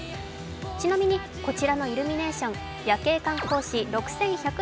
ちなみに、こちらのイルミネーション、夜景観光士６１００